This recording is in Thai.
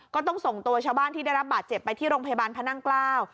ก็ต้องส่งตัวชาวบ้านที่ได้รับบาดเจ็บไปที่โรงพยาบาลพระนั่งเกล้า